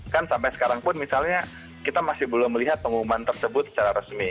kan sampai sekarang pun misalnya kita masih belum melihat pengumuman tersebut secara resmi